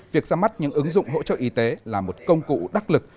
việc ra mắt những ứng dụng hỗ trợ y tế là một công cụ đắc lực